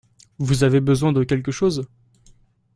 Vous avez besoin de quelque chose ?